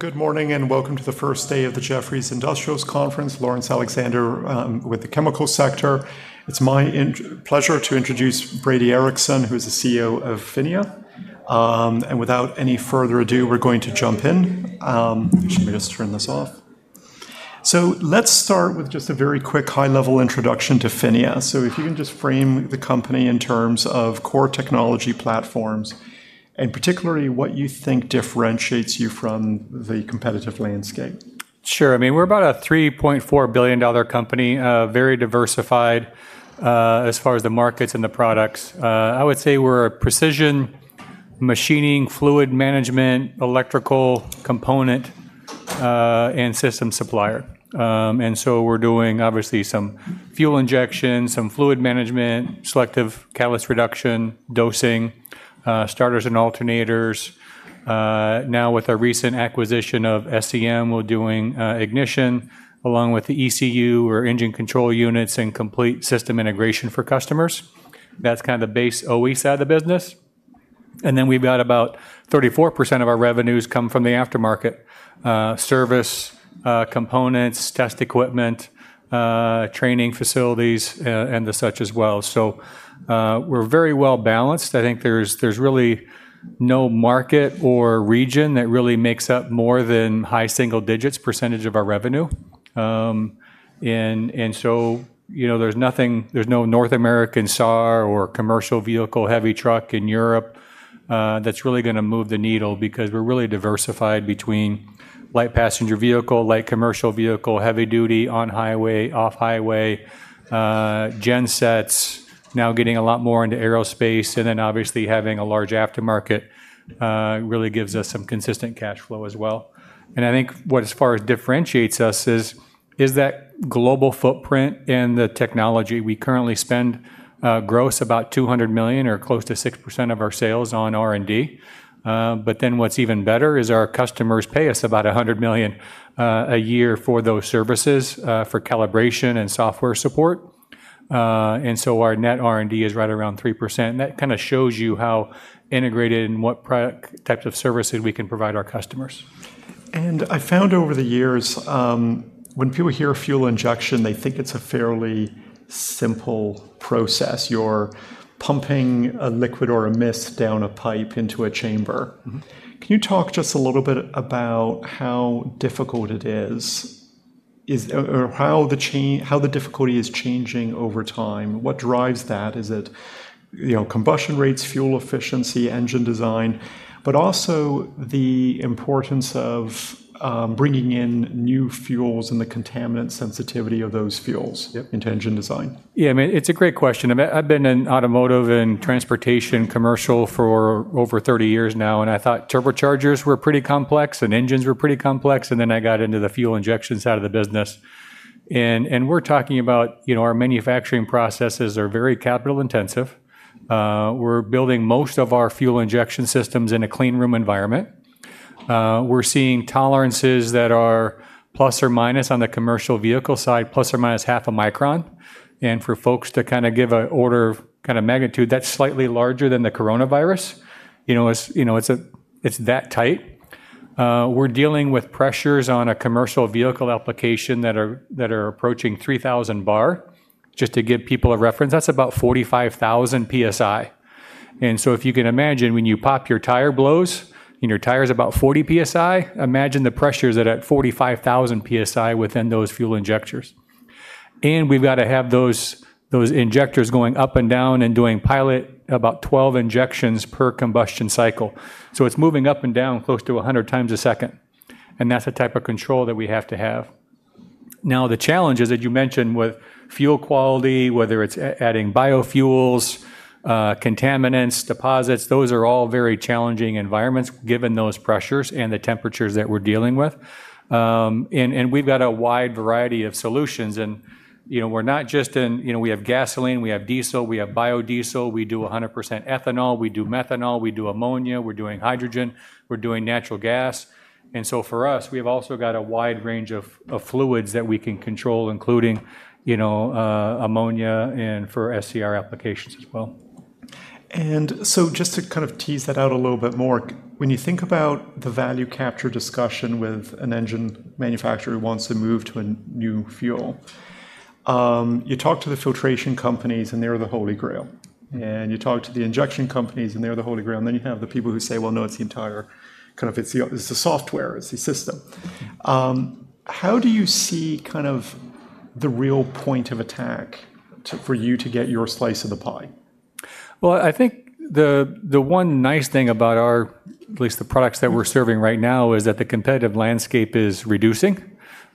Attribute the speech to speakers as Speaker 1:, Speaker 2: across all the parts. Speaker 1: Good morning and welcome to the first day of the Jefferies Industrials Conference. Laurence Alexander with the chemical sector. It's my pleasure to introduce Brady Ericson, who is the CEO of PHINIA. Without any further ado, we're going to jump in. Should we just turn this off? Let's start with just a very quick high-level introduction to PHINIA. If you can just frame the company in terms of core technology platforms, and particularly what you think differentiates you from the competitive landscape.
Speaker 2: Sure. I mean, we're about a $3.4 billion company, very diversified as far as the markets and the products. I would say we're a precision machining, fluid management, electrical component, and system supplier. We're doing obviously some fuel injection, some fluid management, selective catalytic reduction, dosing, starters and alternators. Now with our recent acquisition of SEM, we're doing ignition along with the engine control units and complete system integration for customers. That's kind of the base OE side of the business. We've got about 34% of our revenues come from the aftermarket, service, components, test equipment, training facilities, and the such as well. We're very well balanced. I think there's really no market or region that really makes up more than high single digits percentage of our revenue. There's nothing, there's no North American SAR or commercial vehicle heavy truck in Europe that's really going to move the needle because we're really diversified between light passenger vehicle, light commercial vehicle, heavy duty, on highway, off highway, gen sets, now getting a lot more into aerospace, and obviously having a large aftermarket really gives us some consistent cash flow as well. I think what as far as differentiates us is that global footprint and the technology. We currently spend gross about $200 million or close to 6% of our sales on R&D, but then what's even better is our customers pay us about $100 million a year for those services, for calibration and software support. Our net R&D is right around 3%, and that kind of shows you how integrated and what product types of services we can provide our customers.
Speaker 1: I found over the years, when people hear fuel injection, they think it's a fairly simple process. You're pumping a liquid or a mist down a pipe into a chamber. Can you talk just a little bit about how difficult it is, or how the difficulty is changing over time? What drives that? Is it, you know, combustion rates, fuel efficiency, engine design, but also the importance of bringing in new fuels and the contaminant sensitivity of those fuels into engine design?
Speaker 2: Yeah, I mean, it's a great question. I've been in automotive and transportation commercial for over 30 years now, and I thought turbochargers were pretty complex and engines were pretty complex, and then I got into the fuel injection side of the business. We're talking about, you know, our manufacturing processes are very capital intensive. We're building most of our fuel injection systems in a clean room environment. We're seeing tolerances that are plus or minus on the commercial vehicle side, ± half a micron. For folks to kind of give an order of kind of magnitude, that's slightly larger than the coronavirus. You know, it's that tight. We're dealing with pressures on a commercial vehicle application that are approaching 3,000 bar. Just to give people a reference, that's about 45,000 psi. If you can imagine when your tire blows and your tire is about 40 psi, imagine the pressures that are at 45,000 psi within those fuel injectors. We've got to have those injectors going up and down and doing pilot, about 12 injections per combustion cycle. It's moving up and down close to 100x a second, and that's the type of control that we have to have. Now, the challenges that you mentioned with fuel quality, whether it's adding biofuels, contaminants, deposits, those are all very challenging environments given those pressures and the temperatures that we're dealing with. We've got a wide variety of solutions and, you know, we're not just in, you know, we have gasoline, we have diesel, we have biodiesel, we do 100% ethanol, we do methanol, we do ammonia, we're doing hydrogen, we're doing natural gas. For us, we've also got a wide range of fluids that we can control, including ammonia and for selective catalytic reduction applications as well.
Speaker 1: Just to kind of tease that out a little bit more, when you think about the value capture discussion with an engine manufacturer who wants to move to a new fuel, you talk to the filtration companies and they're the holy grail. You talk to the injection companies and they're the holy grail. Then you have the people who say, no, it's the entire kind of, it's the software, it's the system. How do you see kind of the real point of attack for you to get your slice of the pie?
Speaker 2: I think the one nice thing about our, at least the products that we're serving right now, is that the competitive landscape is reducing,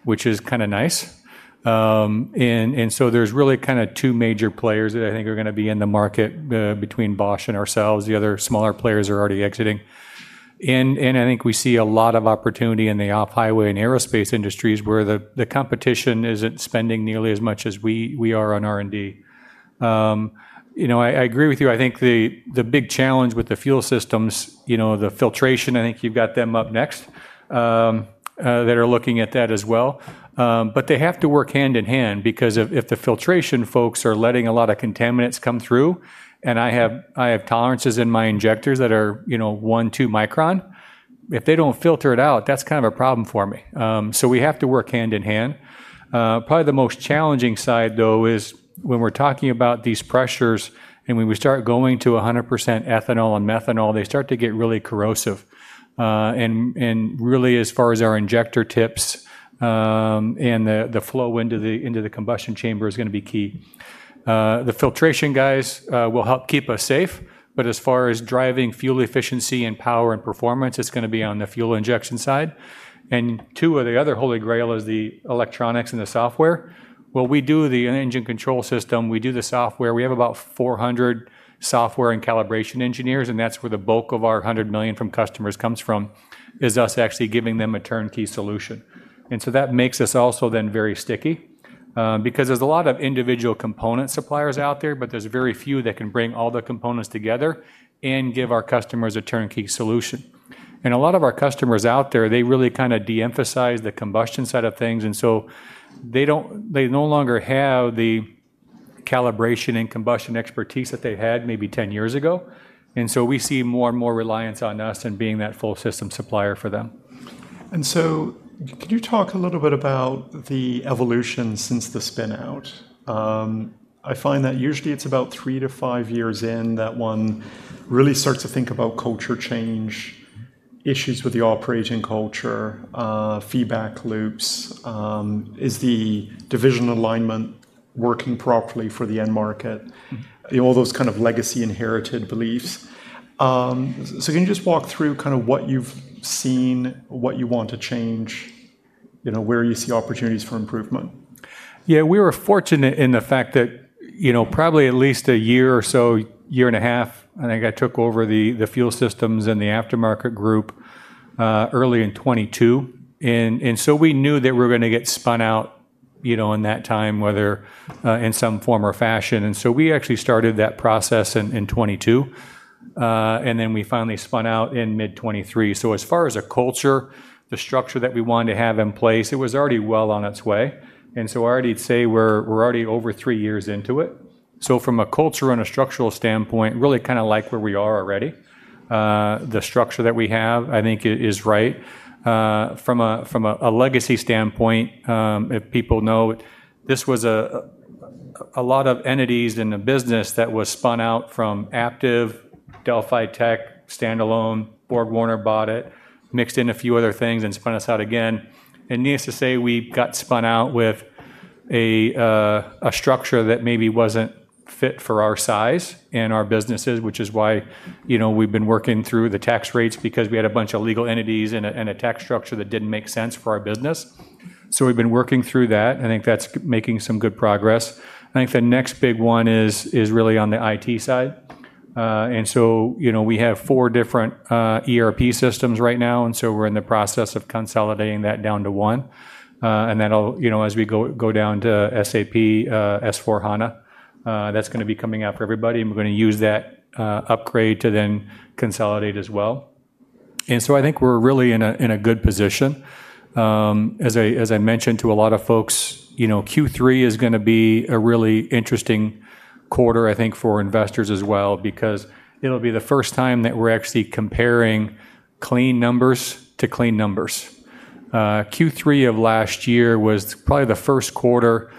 Speaker 2: which is kind of nice. There are really kind of two major players that I think are going to be in the market between Bosch and ourselves. The other smaller players are already exiting. I think we see a lot of opportunity in the off-highway and aerospace industries where the competition isn't spending nearly as much as we are on R&D. I agree with you. I think the big challenge with the fuel systems, the filtration, I think you've got them up next, that are looking at that as well. They have to work hand in hand because if the filtration folks are letting a lot of contaminants come through and I have tolerances in my injectors that are, you know, one, two micron, if they don't filter it out, that's kind of a problem for me. We have to work hand in hand. Probably the most challenging side though is when we're talking about these pressures and when we start going to 100% ethanol and methanol, they start to get really corrosive. As far as our injector tips and the flow into the combustion chamber, that is going to be key. The filtration guys will help keep us safe, but as far as driving fuel efficiency and power and performance, it's going to be on the fuel injection side. Two of the other holy grails are the electronics and the software. We do the engine control system, we do the software, we have about 400 software and calibration engineers, and that's where the bulk of our $100 million from customers comes from, is us actually giving them a turnkey solution. That makes us also then very sticky, because there's a lot of individual component suppliers out there, but there's very few that can bring all the components together and give our customers a turnkey solution. A lot of our customers out there, they really kind of deemphasize the combustion side of things, and they no longer have the calibration and combustion expertise that they had maybe 10 years ago. We see more and more reliance on us and being that full system supplier for them.
Speaker 1: Could you talk a little bit about the evolution since the spin out? I find that usually it's about three to five years in that one really starts to think about culture change, issues with the operating culture, feedback loops, is the division alignment working properly for the end market, you know, all those kind of legacy inherited beliefs. Can you just walk through kind of what you've seen, what you want to change, where you see opportunities for improvement?
Speaker 2: Yeah, we were fortunate in the fact that, you know, probably at least a year or so, year and a half, I think I took over the fuel systems and the aftermarket group early in 2022. We knew that we were going to get spun out, you know, in that time, whether, in some form or fashion. We actually started that process in 2022, and then we finally spun out in mid 2023. As far as a culture, the structure that we wanted to have in place was already well on its way. I already say we're already over three years into it. From a culture and a structural standpoint, really kind of like where we are already. The structure that we have, I think it is right. From a legacy standpoint, if people know it, this was a lot of entities in the business that was spun out from Aptiv, Delphi Technologies, standalone, BorgWarner bought it, mixed in a few other things and spun us out again. Needless to say, we got spun out with a structure that maybe wasn't fit for our size and our businesses, which is why, you know, we've been working through the tax rates because we had a bunch of legal entities and a tax structure that didn't make sense for our business. We've been working through that. I think that's making some good progress. I think the next big one is really on the IT side. You know, we have four different ERP systems right now. We're in the process of consolidating that down to one, and that'll, you know, as we go, go down to SAP S/4HANA, that's going to be coming out for everybody. We're going to use that upgrade to then consolidate as well. I think we're really in a good position. As I mentioned to a lot of folks, you know, Q3 is going to be a really interesting quarter, I think, for investors as well, because it'll be the first time that we're actually comparing clean numbers to clean numbers. Q3 of last year was probably the first quarter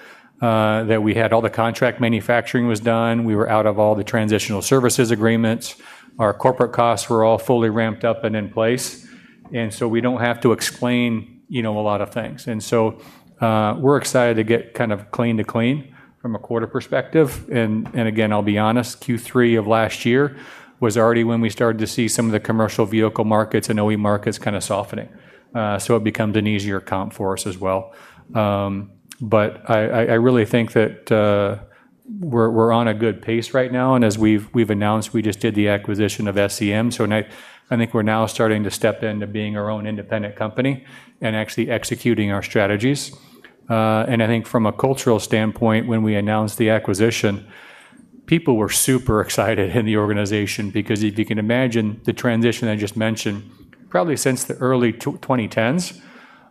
Speaker 2: that we had all the contract manufacturing done. We were out of all the transitional services agreements. Our corporate costs were all fully ramped up and in place. We don't have to explain, you know, a lot of things. We're excited to get kind of clean to clean from a quarter perspective. Again, I'll be honest, Q3 of last year was already when we started to see some of the commercial vehicle markets and OE markets kind of softening. It becomes an easier account for us as well. I really think that we're on a good pace right now. As we've announced, we just did the acquisition of SEM. I think we're now starting to step into being our own independent company and actually executing our strategies. I think from a cultural standpoint, when we announced the acquisition, people were super excited in the organization because if you can imagine the transition I just mentioned, probably since the early 2010s,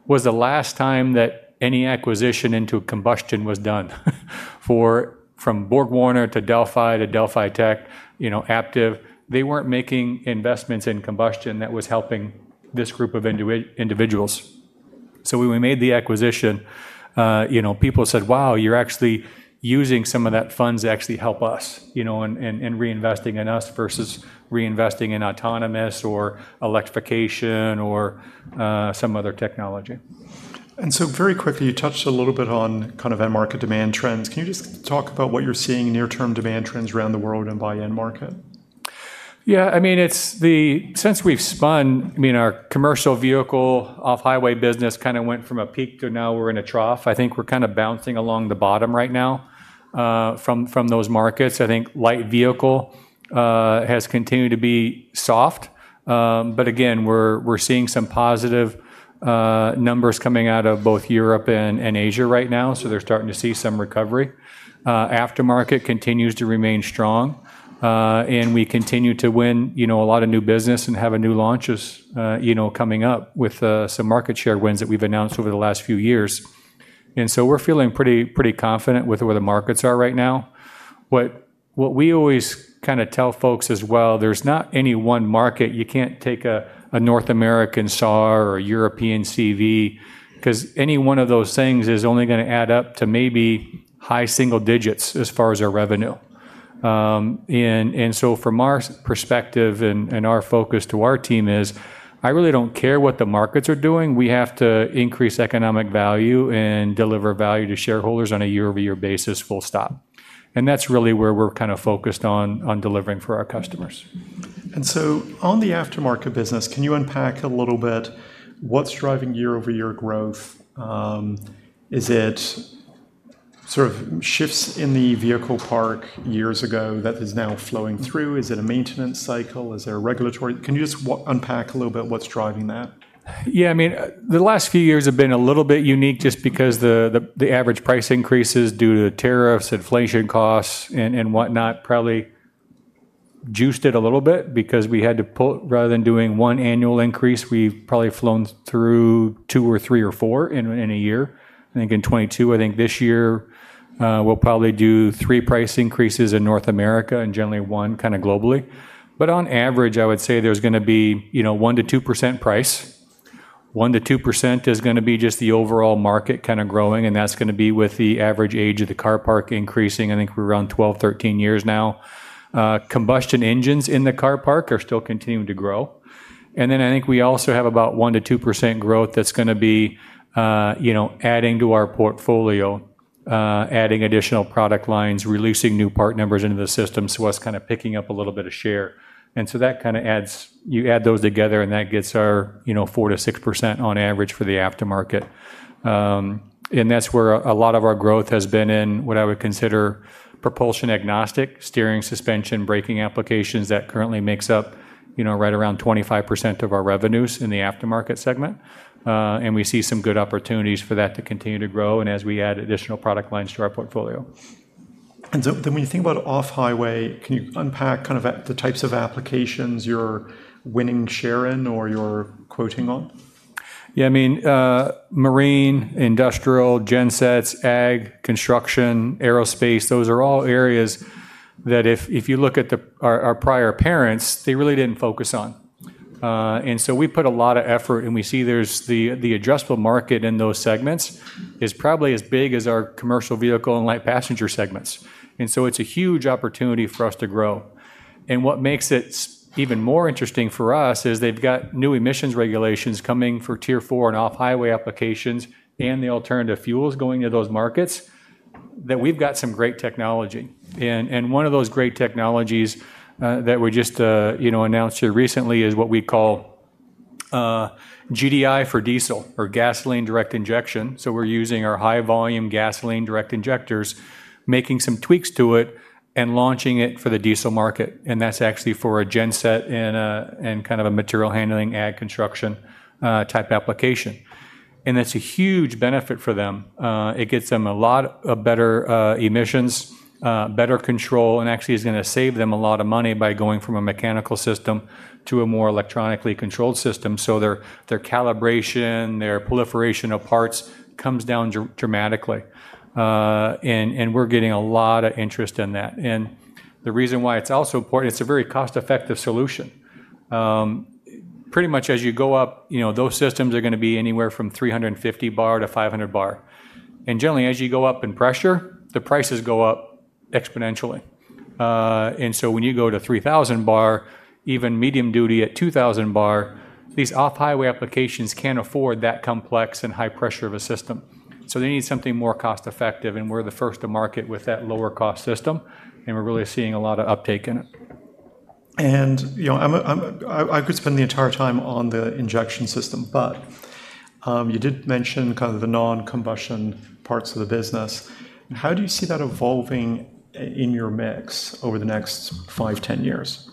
Speaker 2: was the last time that any acquisition into combustion was done. From BorgWarner to Delphi to Delphi Technologies, you know, Aptiv, they weren't making investments in combustion that was helping this group of individuals. When we made the acquisition, people said, wow, you're actually using some of that funds to actually help us and reinvesting in us versus reinvesting in autonomous or electrification or some other technology.
Speaker 1: You touched a little bit on kind of end market demand trends. Can you just talk about what you're seeing near term demand trends around the world and by end market?
Speaker 2: Yeah, I mean, since we've spun, our commercial vehicle off-highway business kind of went from a peak to now we're in a trough. I think we're kind of bouncing along the bottom right now from those markets. I think light vehicle has continued to be soft, but again, we're seeing some positive numbers coming out of both Europe and Asia right now. They're starting to see some recovery. Aftermarket continues to remain strong, and we continue to win, you know, a lot of new business and have new launches coming up with some market share wins that we've announced over the last few years. We're feeling pretty, pretty confident with where the markets are right now. What we always kind of tell folks as well, there's not any one market. You can't take a North American SAR or a European CV because any one of those things is only going to add up to maybe high single digits as far as our revenue, and so from our perspective and our focus to our team is I really don't care what the markets are doing. We have to increase economic value and deliver value to shareholders on a year-over-year basis, full stop. That's really where we're kind of focused on delivering for our customers.
Speaker 1: On the aftermarket business, can you unpack a little bit what's driving year-over-year growth? Is it sort of shifts in the vehicle park years ago that is now flowing through? Is it a maintenance cycle? Is there a regulatory? Can you just unpack a little bit what's driving that?
Speaker 2: Yeah, I mean, the last few years have been a little bit unique just because the average price increases due to tariffs, inflation costs, and whatnot probably juiced it a little bit because we had to put, rather than doing one annual increase, we've probably flown through two or three or four in a year. I think in 2022, I think this year, we'll probably do three price increases in North America and generally one kind of globally. On average, I would say there's going to be, you know, 1% - 2% price. 1% - 2% is going to be just the overall market kind of growing, and that's going to be with the average age of the car park increasing. I think we're around 12, 13 years now. Combustion engines in the car park are still continuing to grow. I think we also have about 1% - 2% growth that's going to be, you know, adding to our portfolio, adding additional product lines, releasing new part numbers into the system. That's kind of picking up a little bit of share. That kind of adds, you add those together and that gets our, you know, 4% - 6% on average for the aftermarket. That's where a lot of our growth has been in what I would consider propulsion-agnostic steering, suspension, braking applications that currently makes up, you know, right around 25% of our revenues in the aftermarket segment. We see some good opportunities for that to continue to grow as we add additional product lines to our portfolio.
Speaker 1: When you think about off-highway, can you unpack kind of the types of applications you're winning share in or you're quoting on?
Speaker 2: Yeah, I mean, marine, industrial, gen sets, ag, construction, aerospace, those are all areas that if you look at our prior parents, they really didn't focus on. We put a lot of effort and we see there's the addressable market in those segments is probably as big as our commercial vehicle and light passenger segments. It's a huge opportunity for us to grow. What makes it even more interesting for us is they've got new emissions regulations coming for Tier 4 and off-highway applications and the alternative fuels going into those markets that we've got some great technology. One of those great technologies that we just, you know, announced here recently is what we call GDI for diesel or gasoline direct injection. We're using our high volume gasoline direct injectors, making some tweaks to it and launching it for the diesel market. That's actually for a gen set and kind of a material handling, ag construction type application. That's a huge benefit for them. It gets them a lot of better emissions, better control, and actually is going to save them a lot of money by going from a mechanical system to a more electronically controlled system. Their calibration, their proliferation of parts comes down dramatically. We're getting a lot of interest in that. The reason why it's also important, it's a very cost-effective solution. Pretty much as you go up, you know, those systems are going to be anywhere from 350 - 500 bar. Generally, as you go up in pressure, the prices go up exponentially. When you go to 3,000 bar, even medium duty at 2,000 bar, these off-highway applications can't afford that complex and high pressure of a system. They need something more cost-effective, and we're the first to market with that lower cost system, and we're really seeing a lot of uptake in it.
Speaker 1: I could spend the entire time on the injection system, but you did mention kind of the non-combustion parts of the business. How do you see that evolving in your mix over the next five, ten years?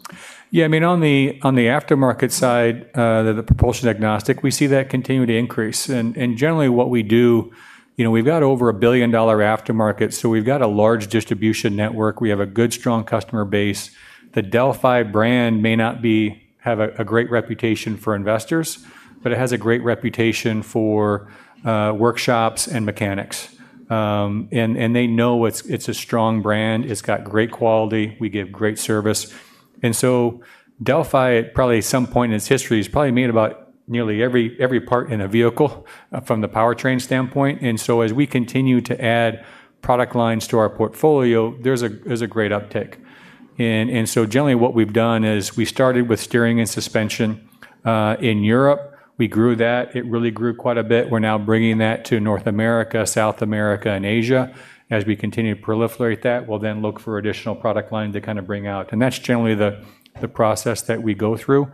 Speaker 2: Yeah, I mean, on the aftermarket side, the propulsion-agnostic, we see that continue to increase. Generally what we do, we've got over a $1 billion aftermarket. We've got a large distribution network. We have a good, strong customer base. The Delphi brand may not have a great reputation for investors, but it has a great reputation for workshops and mechanics. They know it's a strong brand. It's got great quality. We give great service. Delphi, at probably some point in its history, has probably made about nearly every part in a vehicle from the powertrain standpoint. As we continue to add product lines to our portfolio, there's a great uptick. Generally what we've done is we started with steering and suspension in Europe. We grew that. It really grew quite a bit. We're now bringing that to North America, South America, and Asia. As we continue to proliferate that, we'll then look for additional product lines to kind of bring out. That's generally the process that we go through.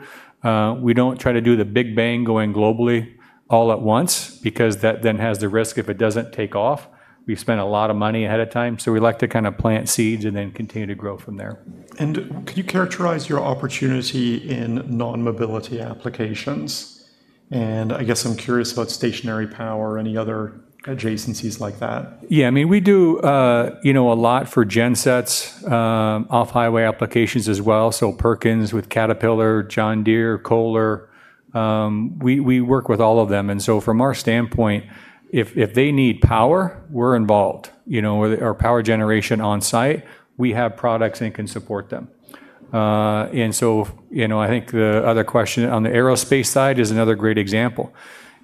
Speaker 2: We don't try to do the big bang going globally all at once because that then has the risk if it doesn't take off. We spend a lot of money ahead of time. We like to kind of plant seeds and then continue to grow from there.
Speaker 1: Could you characterize your opportunity in non-mobility applications? I'm curious about stationary power or any other adjacencies like that.
Speaker 2: Yeah, I mean, we do a lot for gen sets, off-highway applications as well. Perkins with Caterpillar, John Deere, Kohler, we work with all of them. From our standpoint, if they need power, we're involved, or power generation on site, we have products and can support them. I think the other question on the aerospace side is another great example.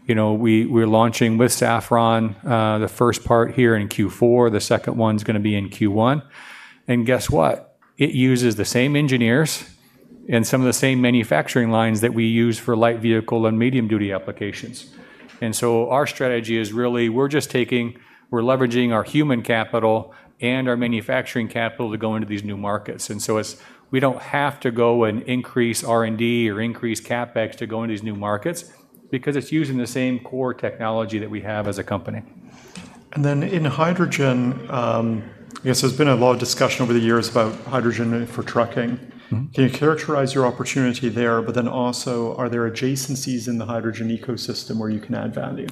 Speaker 2: We're launching with Safran, the first part here in Q4. The second one's going to be in Q1. Guess what? It uses the same engineers and some of the same manufacturing lines that we use for light vehicle and medium duty applications. Our strategy is really, we're just taking, we're leveraging our human capital and our manufacturing capital to go into these new markets. We don't have to go and increase R&D or increase CapEx to go into these new markets because it's using the same core technology that we have as a company.
Speaker 1: In hydrogen, I guess there's been a lot of discussion over the years about hydrogen for trucking. Can you characterize your opportunity there, and also are there adjacencies in the hydrogen ecosystem where you can add value?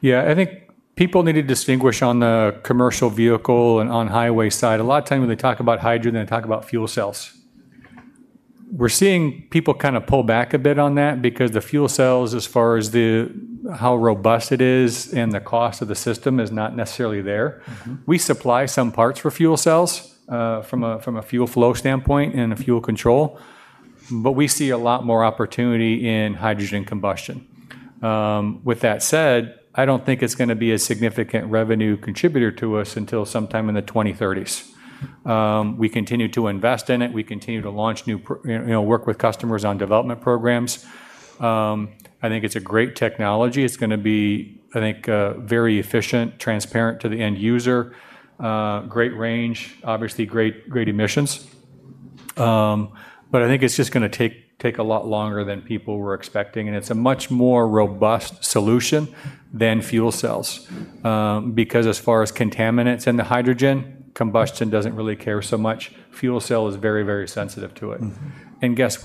Speaker 2: Yeah, I think people need to distinguish on the commercial vehicle and on-highway side. A lot of times when they talk about hydrogen, they talk about fuel cells. We're seeing people kind of pull back a bit on that because the fuel cells, as far as how robust it is and the cost of the system, is not necessarily there. We supply some parts for fuel cells, from a fuel flow standpoint and a fuel control, but we see a lot more opportunity in hydrogen combustion. With that said, I don't think it's going to be a significant revenue contributor to us until sometime in the 2030s. We continue to invest in it. We continue to launch new, you know, work with customers on development programs. I think it's a great technology. It's going to be, I think, very efficient, transparent to the end user, great range, obviously great, great emissions. I think it's just going to take a lot longer than people were expecting. It's a much more robust solution than fuel cells, because as far as contaminants and the hydrogen, combustion doesn't really care so much. Fuel cell is very, very sensitive to it. Guess.